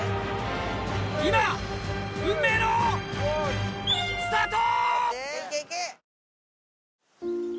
今運命のスタート！